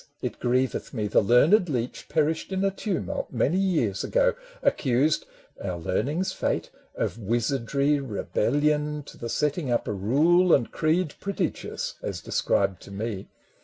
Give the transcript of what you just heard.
it grieveth me, the learned leech Perished in a tumult many years ago, Accused, — our learning's fate, — of wizardry, Rebellion, to the setting up a rule And creed prodigious as described to me.